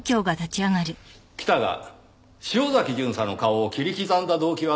北が潮崎巡査の顔を切り刻んだ動機はなんでしょうか？